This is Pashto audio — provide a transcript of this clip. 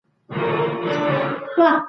عدالت مذهبي تعريف سو.